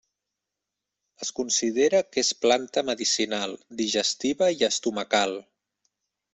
Es considera que és planta medicinal, digestiva i estomacal.